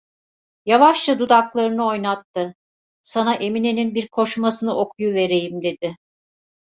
Yavaşça dudaklarını oynattı: "Sana Emine'nin bir koşmasını okuyuvereyim!" dedi.